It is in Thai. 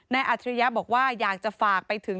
อัจฉริยะบอกว่าอยากจะฝากไปถึง